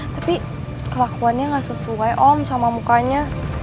tapi kelakuannya gak sesuai om sama mukanya